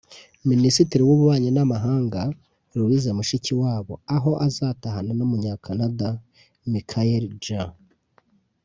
Minisitiri w’Ububanyi n’amahanga Louise Mushikiwabo aho azahatana n’Umunya-Canada Michaëlle Jean